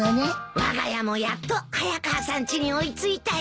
わが家もやっと早川さんちに追い付いたよ。